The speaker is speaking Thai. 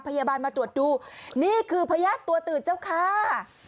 พยาบาลมาตรวจดูนี่คือพญาติตัวตื่นเจ้าค่ะ